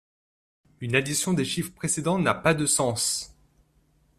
Une addition des chiffres précédents n'a pas de sens.